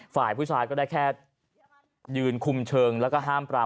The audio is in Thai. ฝ่ายผู้ชายก็ได้แค่ยืนคุมเชิงแล้วก็ห้ามปราม